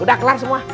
udah kelar semua